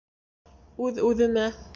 — Үҙ-үҙемә.